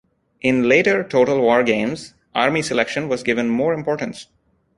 In later "Total War" games, army selection was given more importance.